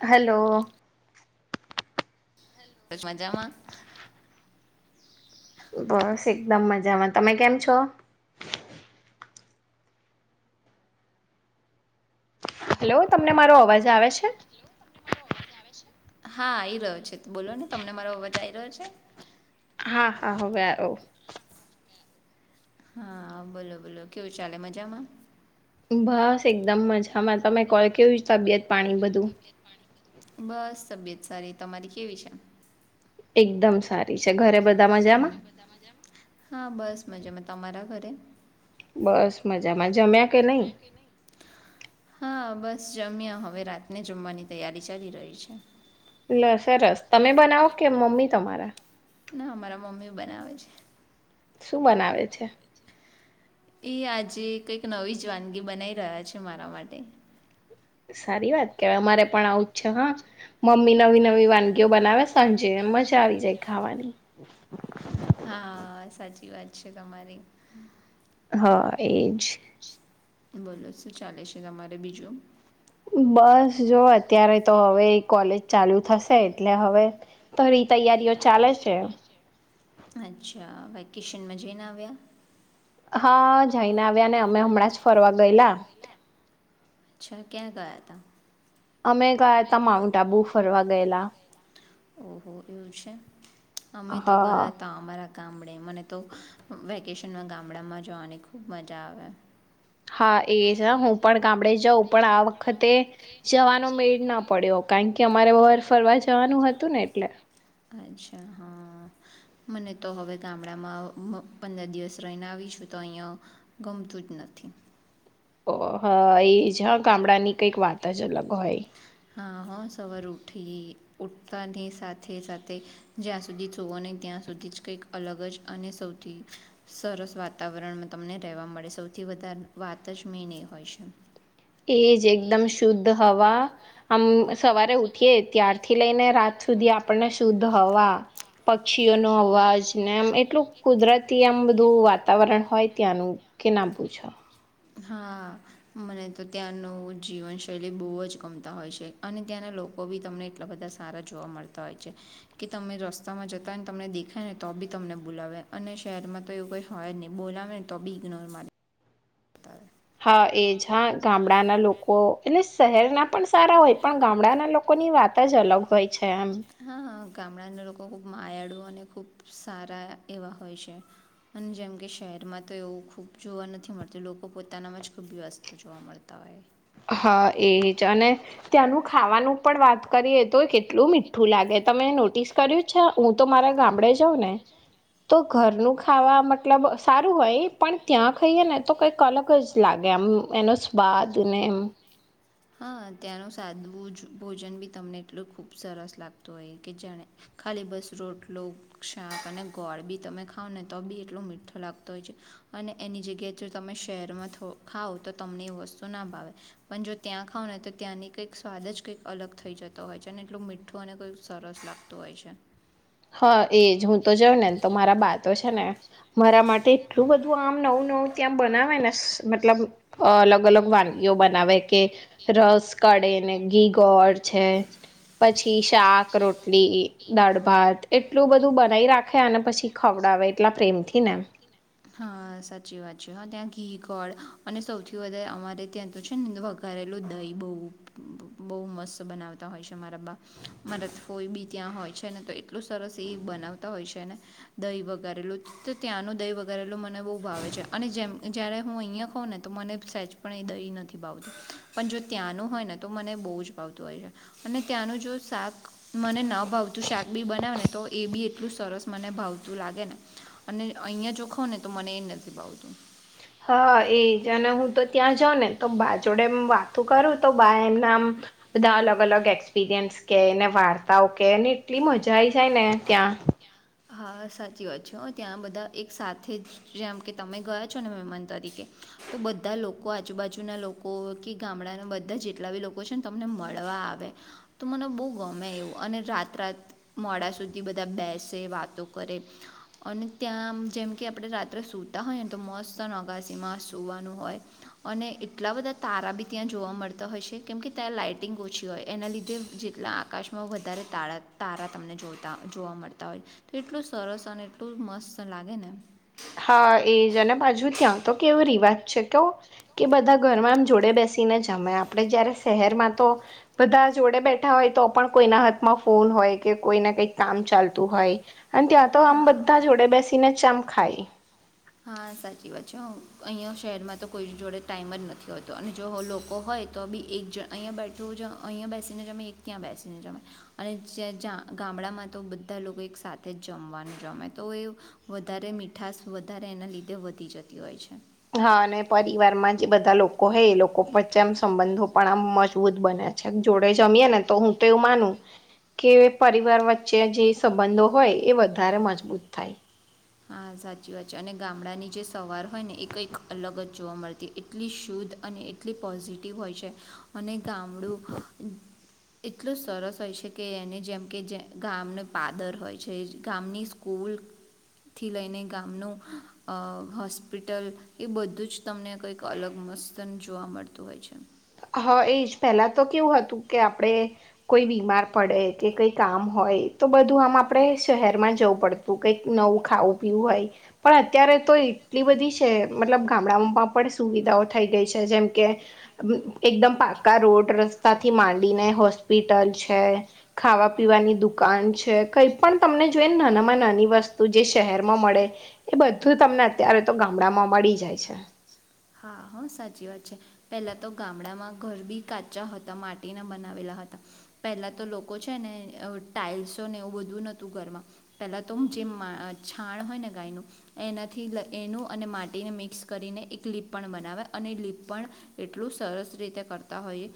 Hello. પચ મજામાં. બસ એકદમ મજામાં. તમે કેમ છો? હેલો તમને મારો અવાજ આવે છે? હા આઈ રહ્યો છે બોલો ને તમને મારો અવાજ આ આયી રહ્યો છે? હા હા હવે આયો. હા બોલો બોલો કેવું ચાલે મજામાં! બસ એકદમ મજામાં તમે કોલ કેવી તબિયત પાણી બધું. બસ તબિયત સારી. તમારી કેવી છે? એકદમ સારી છે. ઘરે બધા મજામાં? હા બસ મજામાં. તમારા ઘરે? બસ મજામાં જમ્યા કે નહી? હા બસ જમ્યા હવે રાતને જમવાની તૈયારી ચાલી રહી છે. લે સરસ તમે બનાવો કે મમ્મી તમારા? ના અમારા મમ્મી બનાવે છે. શું બનાવે છે? એ આજે કઈક નવી જ વાનગી બનાઈ રહ્યા છે મારા માટે. સારી વાત કેવાય અમારે પણ આવું છે હ મમ્મી નવી નવી વાનગીઓ બનાવે સાંજ એમ મજા આવી જાય ખાવાની. હા સાચી વાત છે તમારી. હા એ બોલો શું ચાલે છે તમારે બીજું? બસ જો અત્યારે તો હવે કોલેજ ચાલુ થશે એટલે હવે તરી તૈયારીઓ ચાલે છે. અચ્છા વેકેશનમાં જઈને આવ્યા? હા જઈને આવ્યા ને અમે હમણાં જ ફરવા ગયેલા. અચ્છા ક્યાં ગાયા હતા? અમે ગયા તા માઉન્ટ આબુ ફરવા ગયેલા. ઓહો એવું છે. અમે તો ગયા હતા અમારા ગામડે મને તો વેકેશનમાં ગામડામાં જવાની ખૂબ મજા આવે. હા એ છે હું પણ ગામડે જાઉં પણ આ વખતે જવાનો મેળ ના પડ્યો કારણ કે અમારે બર ફરવા જવાનું હતું ને એટલે. અચ્છા હા મને તો હવે ગામડામાં પંદર દિવસ રહીને આવીશું તો અહીંયા ગમતું જ નથી. ઓ હ એ જ હા ગામડાની કંઈક વાત જ અલગ હોય. હા હ સવાર ઉઠી ઉઠતાની સાથે સાથે જ્યાં સુધી જવો નહી ત્યાં સુધી જ કંઈક અલગ જ અને સૌથી સરસ વાતાવરણમાં તમને રહેવા મળે સૌથી વધારે વાત જ મેન એ હોય છે. એ જ એકદમ શુદ્ધ હવા. આમ સવારે ઉઠીએ ત્યારથી લઈને રાત સુધી આપણને શુદ્ધ હવા પક્ષીઓનો અવાજ ને આમ એટલું કુદરતી આમ બધું વાતાવરણ હોય ત્યાંનું કે ના પૂછો. હા મને તો ત્યાંનું જીવનશૈલી બો જ ગમતા હોય છે અને ત્યાંના લોકો બી તમને એટલા બધા સારા જોવા મળતા હોય છે કે તમે રસ્તામાં જતા હોય ને તમને દેખાય ને તો બી તમને બોલાવે અને શહેરમાં તો એવું કોઈ હોય જ નહીં બોલાવે ને તો બી ઇગ્નોર મારે. બતાવે. હા એ જા ગામડાના લોકો એટલે શહેરના પણ સારા હોય પણ ગામડાના લોકોની વાત જ અલગ હોય. છે એમ. ગામડાના લોકો ખૂબ માયાડું અને ખૂબ સારા એવા હોય છે અને જેમ કે શહેરમાં તો એવું ખૂબ જોવા નથી મળતું લોકો પોતાનામાં જ ખૂબ વ્યસ્ત જોવા મળતા હોય. હા એજ અને ત્યાંનું ખાવાનું પણ વાત કરીએ તો કેટલું મીઠું લાગે તમે નોટિસ કર્યું છે હું તો મારા ગામડે જાઉં ને તો ઘરનું ખાવા મતલબ સારું હોય પણ ત્યાં ખાઈએ ને તો કઈક અલગ જ લાગે આમ એનો સ્વાદ. તને એમ હા ત્યાંનું સાદુ જ ભોજન બી તમને એટલું ખૂબ સરસ લાગતું હોય કે જાણે ખાલી બસ રોટલો શાક અને ગોળ બી તમે ખાવ ને તો બી એટલોું મીઠો લાગતો હોય છે અને એની જગ્યાએ જો તમે શહેરમાં ખાવ તો તમને એ વસ્તુ ના ભાવે પણ જો. ત્યાં ખાવ ને તો ત્યાંની કંઈક સ્વાદ જ કંઈક અલગ થઈ જતો હોય છે અને એટલું મીઠું અને કંઈક સરસ લાગતું હોય છે. હા એજ હું તો જાઉં ને તો મારા બા તો છે ને. મારા માટે એટલું બધું આમ નવું નવું ત્યાં બનાવે ને મતલબ અલગ અલગ વાનગીઓ બનાવે કે રસ કાઢે ને ઘી ગોળ છે પછી શાક રોટલી દાળ ભાત. એટલું બધું બનાઈ રાખે અને પછી ખવડાવે એટલા પ્રેમ થી ને હા સાચી વાત છે હા ત્યાં ઘી ગળ અને સૌથી વધારે અમારે ત્યાં તો છે ને વઘારેલું દહીં બહુ બહુ મસ્ત બનાવતા હોય છે મારા બા મારા ફો ઈ બી ત્યાં હોય છે ને તો એટલું સરસ એ બનાવતા હોય છે ને દહીં વઘારેલું તો ત્યાંનું દહીં વ વઘારેલુ મને બો ભાવે છે અને જે જ્યારે હું અહીં ખઉં ને તો મને સચ પણ એ દહી નથી ભાવત પણ જો ત્યાંનું હોય ને તો મને બહુ જ ભાવતું હોય છે અને ત્યાંનું જો શાક મને ન ભાવતું શાક બી બનાવે ને તો એ બી એટલું સરસ મને ભાવતું લાગે ને અને અહીંયા જો. હો ને તો મને એ નથી ભાવતું. હા એજ અને હું તો ત્યાં જાઉં ને તો બા જોડે એમ વાતો કરું તો બા એમના આમ બધા અલગ અલગ એક્સપિરિયન્સ કે એને વાર્તાઓ કેને એટલી મજા આઈ જાય ને ત્યાં. હા સાચી વાત છે હ ત્યાં બધા એક સાથે જ જેમ કે તમે ગયા છો ને મહેમાન તરીકે તો બધા લોકો આજુબાજુના લોકો કે ગામડાના બધા જેટલા બી લોકો છે ને તમને મળવા આવે તો મને બહુ ગમે એવું અને રાત રાત મોડા સુધી બધા બેસે વાત. કરે અને ત્યાં જેમ કે આપણે રાત્રે સૂતા હોય ને તો મસ્ત અગાસીમાં સૂવાનું હોય અને એટલા બધા તારા બી ત્યાં જોવા મળતા હોય છે કેમકે ત્યાં લાઈટિંગ ઓછી હોય એના લીધે જેટલા આકાશમાં વધારે ત તારા તમને જોતા જોવા મળતા હોય. તો એટલું સરસ અને એટલું મસ્ત લાગે ને. હા એજ અને પાછુ ત્યાં તો કેવો રિવાજ છે કવ કે બધા ઘરમાં આમ જોડે બેસીને જમે આપણે જયારે શહેરમાં તો બધા જોડે બેઠા હોય તો પણ કોઈના હાથમાં ફોન હોય કે કોઈને કઈક કામ ચાલતું હોય. અને ત્યાં તો આમ બધા જોડે બેસી. તિનેજ આમ ખાય. હા સાચી વાત છે અહીંયા શહેરમાં તો કોઈ જોડે ટાઈમ જ નથી હોતો અને જો લોકો હોય તો બી એક જ અહીંયા બેઠું અહીંયા બેસીને જમે એક ત્યાં બેસીને જમે અને જ્યા ગામડામાં તો બધા લોકો એક સાથે જ જમવાનું જમે તો એ વધારે મીઠાસ વ વધારે એના લીધે વધી જતી હોય છે. હા અને પરિવારમાં જે બધા લોકો હોય એ લોકો વચ્ચે આમ સંબંધો પણ આમ મજબૂત બને છે જોડે જમીએ ને તો હું તો એવું માનું કે પરિવાર વચ્ચે જે સંબંધો હોય એ વધારે મજબૂત થાય. હા સાચી વાત છે અને ગામડાની જે સવાર હોય ને એ કંઈક અલગ જ જોવા મળતી એટલી શુદ્ધ અને એટલી પોઝિટિવ હોય છે. અને ગામડું. એટલું જ સરસ હોય છે કે એને જેમ કે જે ગામને પાદર હોય છે ગામની સ્કૂલ. થી લઈને ગામનું હોસ્પિટલ એ બધું જ તમને કંઈક અલગ મસ્તન જોવા મળતું હોય છે. હા એ જ પહેલા તો કેવું હતું કે આપણેે કોઈ બીમાર પડે કે કઈ કામ હોય તો બધું આમ આપણે શહેરમાં જવું પડતું કઈક નવું ખાવું પીવું હોય પણ અત્યારે તો એટલી બધી છે મતલબ ગામડાઓમાં પણ સુવિધાઓ થઈ ગઈ છે જેમ કે એકદમ પાકા રોડ રસ્તા થી માંડીને હોસ્પિટલ છે ખાવા પીવાની દુકાન છે કઈ પણ તમને જોઈને નાનામાં નાની વસ્તુ જે શહેરમાં મળે એ બધું તમને અત્યારે તો ગામડામાં મળી જાય છે. હા સાચી વાત છે પહેલા તો ગામડામાં ઘર બી કાચા હતા માટીના બનાવેલા હતા પહેલા તો લોકો છે ને ટાઈલ્સો ને એવું બધું નહોતું ઘરમાં પહેલા તો જે છાણ હોય ને ગાયનું એનાથી એનું અને માટીને મિક્સ કરીને એક લીપ પણ બનાવે. અને લીપ પણ એટલું સરસ રીતે કરતા હોઈએ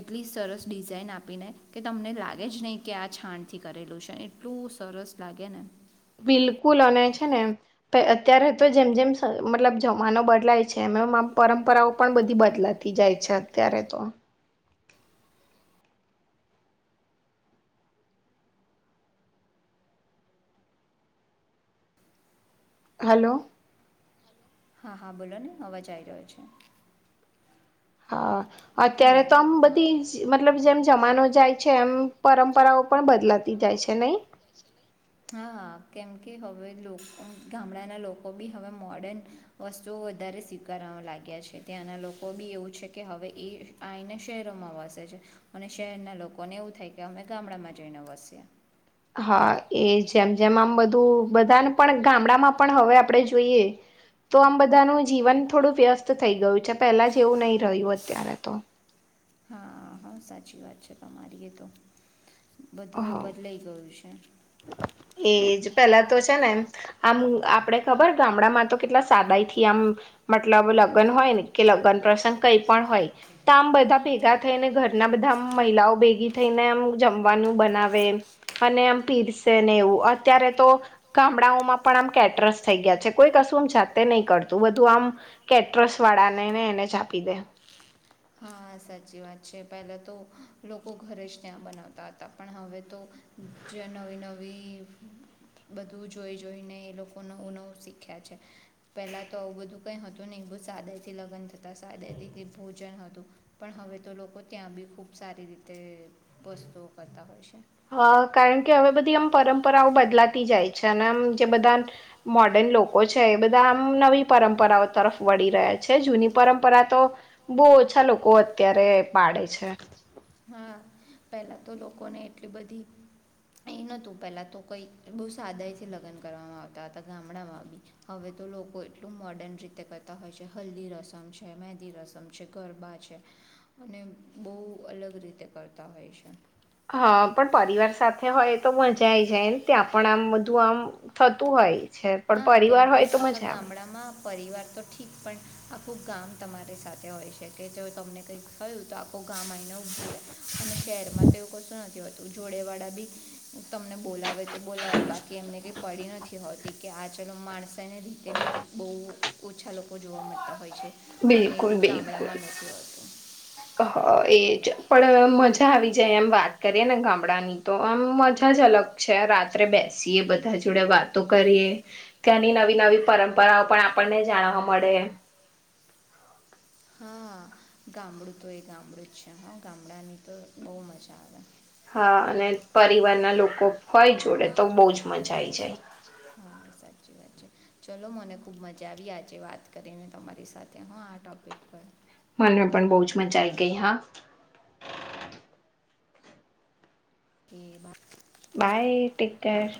એટલી સરસ ડિઝાઇન આપીને કે તમને લાગે જ નહીં કે આ છાણ થી કરેલું છે એટલું સરસ લાગે ને. બિલકુલ અને છે ને અત્યારે તો જેમ જેમ મતલબ જમાનો બદલાય છે એમ એ પરંપરાઓ પણ બધી બદલાતી જાય છે અત્યારે તો. હલો. હા હા બોલો ને અવાજ આવી રહ્યો છે. હા. અત્યારે તો આમ બધી મતલબ જેમ જમાનો જાય છે એમ પરંપરાઓ પણ બદલાત તી જાય છે નહીં? તી જાય છે નહીં? હા કેમ કે હવે લોકો ગામડાના લોકો બી હવે મોર્ડન વસ્તુઓ વધારે સ્વીકારવા લાગ્યા છે. ત્યાંના લોકો બી એવું છે કે હવે એ આઈને શહેરોમાં વસે છે. અને શહેરના લોકોને એવું થાય કે અમે ગામડામાં જઈને વસીએ. હા એ જેમ જેમ આમ બધું બધાને પણ ગામડામાં પણ હવે આપણે જોઈએ તો આમ બધાનું જીવન થોડું વ્યસ્ત થઈ ગયું છે. પેલા જેવું નહી રહ્યું અત્યારે તો હા હા સાચી વાત છે. તમારી એ તો બધું બદલાઈ ગયું છે. પેલા તો છે ને આમ આપડે ખબર ગામડામાં તો કેટલા સાદાઈથી આમ મતલબ લગ્ન હોય ને કે લગ્ન પ્રસંગ કઈ પણ હોય તો આમ બધા ભેગા થઈને ઘરના બધા આમ મહિલાઓ ભેગી થઈને આમ જમ વાનું બનાવે. અને આમ પીરસેને એવું અત્યારે તો ગામડાઓમાં પણ આમ કેટરસ થઈ ગયા છે. કોઈ કશું આમ જાતે નહી કરતું બધું આમ કેટરસ વાળા ને ને એને જ આપી દે. હા સાચી વાત છે. પહેલા તો લોકો ઘરે જ ત્યાં બનાવતા હતા. પણ હવે તો જ નવી નવી બધું જોઈ જોઈને એ લોકો નવું નવું શીખ્યા છે. પહેલા તો આવું બધું કઈ હતું નહીં. બહુ સાદાઈથી લગ્ન થતા સાદાઈ રીતે ભોજન હતું. પણ હવે તો લોકો ત્યાં બી ખૂબ સારી રીતે વસ્તુઓ કરતા હોય છે. હહ કારણ કે હવે બધી આમ પરંપરાઓ બદલાતી જાય છે. અને આમ જે બધા મોર્ડન લોકો છે એ બધા આમ નવી પરંપરાઓ તરફ વળી રહ્યા છે. જૂની પરંપરા તો બહુ ઓછા લોકો અત્યારે પાડે છે. હા પહેલાં તો લોકોને એટલી બધી એ નતું પહેલાં તો કંઈ બહુ સાદાઈથી લગ્ન કરવામાં આવતા હતા ગામડામાં બી હવે તો લોકો એટલું મોર્ડન રીતે કરતા હોય છે. હલ્દી રસમ છે, મેંદી રસમ છે, ગરબા છે, અને બહુ અલગ રીતે કરતાં હોય છે. હા પણ પરિવાર સાથે હોય તો મજા આઈ જાયને ત્યાં પણ આમ બધું આમ થતું હોય. હા કેમ કે આખા ગામડામાં પરિવાર તો ઠીક પણ આખું ગામ તમારે સાથે હોય છે કે જો તમને કંઈક થયું તો આખું ગામ આઈને ઊભું રે. અને શહેરમાં તો એવું કશું નથી હોતું જોડેવાળા બી તમને બોલાવે તો બોલાવે બાકી એમને કંઈ પડી નથી હોત હા ચલો માણસાઈની રીતે બી બહુ ઓછા લોકો જોવા મળતા હોય છે. બિલકુલ બિલકુલ હહ એ પણ મજા આવી જાય આમ વાત કરીએ ને ગામડાની તો આમ મજા જ અલગ છે. રાત્રે બેસીએ બધા જોડે વાતો કરીએ, ત્યાંની નવી નવી પરંપરાઓ પણ આપણને જાણવા મળે. હા ગામડું તો એ ગામડું જ છે. હહ ગામડાની તો બહુ મજા આવે. હા અને પરિવારના લોકો હોય જોડે તો બહુ જ મજા આઈ જાય. હા સાચી વાત છે. ચલો મને ખૂબ મજા આવી આજે વાત કરીને તમારી સાથે હહ આ ટોપિક પર મને પણ બહુ જ મજા આઈ ગઈ હહ [inaudible] બાય. Take care